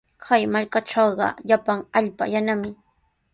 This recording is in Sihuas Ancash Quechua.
Kay markatrawqa llapan allpa yanami.